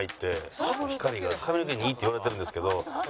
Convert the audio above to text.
光が髪の毛にいいっていわれてるんですけど。